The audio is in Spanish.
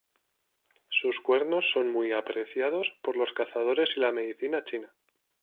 Sus cuernos son muy apreciados por los cazadores y la medicina china.